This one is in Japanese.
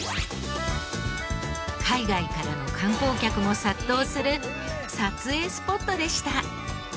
海外からの観光客も殺到する撮影スポットでした。